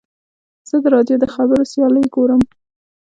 زه د راډیو د خبرو سیالۍ ګورم.